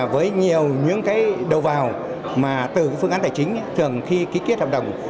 với nhiều những cái đầu vào mà từ phương án tài chính thường khi ký kiết hợp đồng